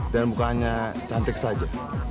dan bukannya cantik saja